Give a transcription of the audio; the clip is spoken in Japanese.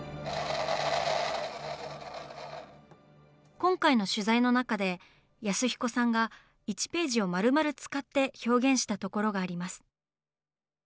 今回の取材の中で安彦さんが１ページを丸々使って表現したところがあります。